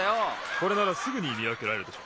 これならすぐにみわけられるでしょ。